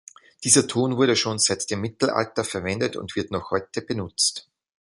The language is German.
Dieser Ton wurde schon seit dem Mittelalter verwendet und wird noch heute benutzt.